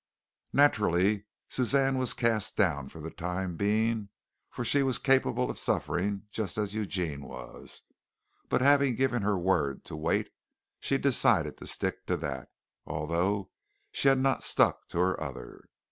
Naturally Suzanne was cast down for the time being, for she was capable of suffering just as Eugene was. But having given her word to wait, she decided to stick to that, although she had not stuck to her other.